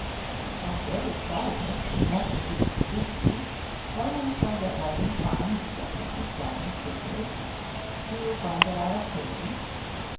'I'm very sorry, miss, that nothing seems to suit you' 'Oh, we shall get right in time!' interrupted Miss Rodney cheerfully. 'You will find that I have patience.